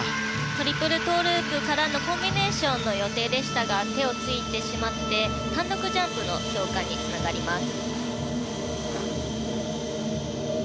トリプルトウループからのコンビネーションの予定でしたが手をついてしまって単独ジャンプの評価に下がります。